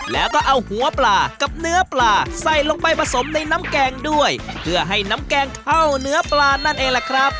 แล้วก็เอาหัวปลากับเนื้อปลาใส่ลงไปผสมในน้ำแกงด้วยเพื่อให้น้ำแกงเข้าเนื้อปลานั่นเองแหละครับ